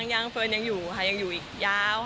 ยังเฟิร์นยังอยู่ค่ะยังอยู่อีกยาว